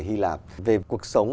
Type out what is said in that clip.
hy lạp về cuộc sống